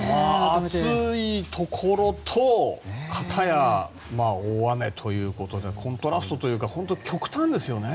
暑いところとかたや大雨ということでコントラストというか極端ですよね。